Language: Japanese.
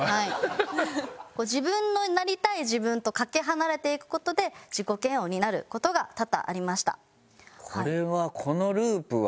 自分のなりたい自分とかけ離れていく事で自己嫌悪になる事が多々ありました。